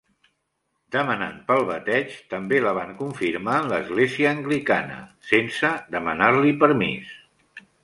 Demanant pel bateig, també la van confirmar en l'església anglicana sense demanar-li permís!